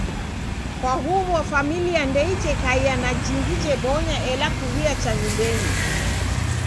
Kwa huw'o familia ndeichekaia na jingi jebonya ela kuw'uya cha nyumbenyi.